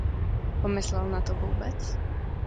Pomyslel na to vůbec?